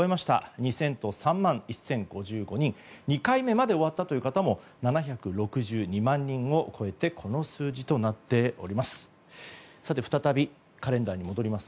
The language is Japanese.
２００３万１０５５人２回目まで終わったという方も７６２万人を超えてこの数字となっております。